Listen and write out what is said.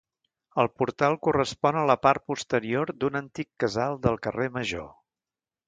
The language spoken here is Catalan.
El portal correspon a la part posterior d'un antic casal del carrer Major.